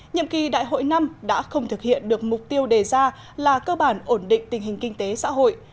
nhiệm kỳ đại hội năm đã không thực hiện được mục tiêu đề ra là cơ bản ổn định tình hình kinh tế xã hội